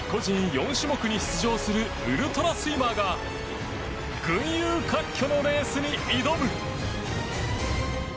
４種目に出場するウルトラスイマーが群雄割拠のレースに挑む！